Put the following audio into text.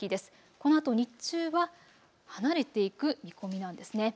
このあと日中は離れていく見込みなんですね。